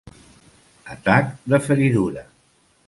Atac de feridura.